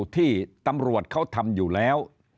ที่ตำรวจเขาทำอยู่แล้ว